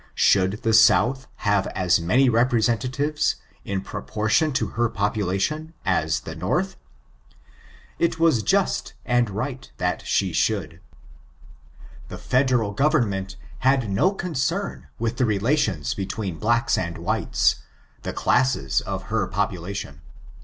Should the South have as many representatives, in proportion to her population, as the North? It was just and right that she should. The Federal Goveiiiment had no concern with the relations between blacks and whites, the classes : i I i ^^^^^^^^^^^^^^^ I l' : 454 8TBICTUBES of her population.